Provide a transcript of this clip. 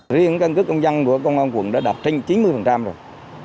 riêng căn cứ công dân của công an quận đã đạt trên chín mươi rồi